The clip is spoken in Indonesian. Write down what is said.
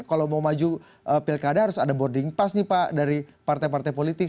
kalau mau maju pilkada harus ada boarding pass nih pak dari partai partai politik